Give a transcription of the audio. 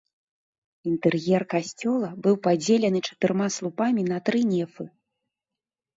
Інтэр'ер касцёла быў падзелены чатырма слупамі на тры нефы.